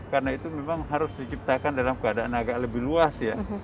karena itu memang harus diciptakan dalam keadaan agak lebih luas ya